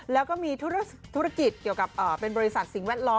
แล้วก็มีธุรกิจเกี่ยวกับเป็นบริษัทสิ่งแวดล้อม